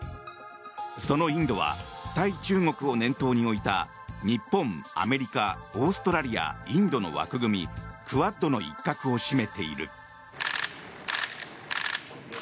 そのインドは対中国を念頭に置いた日本、アメリカ、オーストラリアインドの枠組みクアッドの一角を占めている。